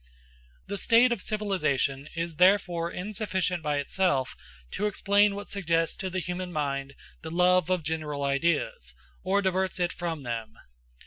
The state of civilization is therefore insufficient by itself to explain what suggests to the human mind the love of general ideas, or diverts it from them.